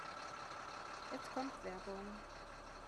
Jetzt kommt Werbung.